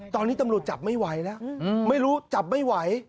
ตอนนี้ตำรวจจับไม่ไหวแล้วไม่รู้จับไม่ไหว